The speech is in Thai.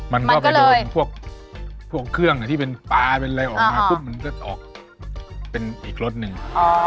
มันก็ไปโดนพวกเครื่องที่เป็นปลาเป็นอะไรออกมาปุ๊บมันก็ออกเป็นอีกรสหนึ่ง